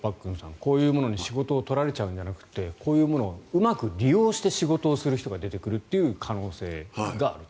こういうものに仕事を取られちゃうんじゃなくてこういうものをうまく利用して仕事をする人が出てくるという可能性があると。